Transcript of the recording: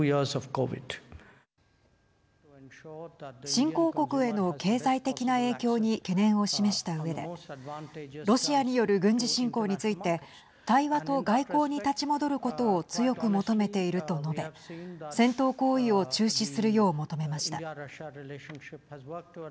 新興国への経済的な影響に懸念を示したうえでロシアによる軍事侵攻について対話と外交に立ち戻ることを強く求めていると述べ戦闘行為を中止するよう求めました。